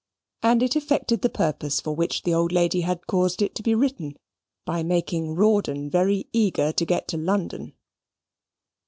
And it effected the purpose for which the old lady had caused it to be written, by making Rawdon very eager to get to London.